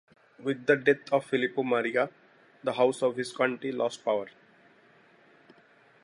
With the death of Filippo Maria, the House of Visconti lost power.